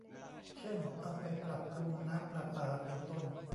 เช่น เอาไปปรับปรุงน้ำประปา เป็นต้น